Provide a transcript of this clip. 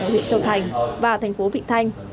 của huyện châu thành và tp vịnh thanh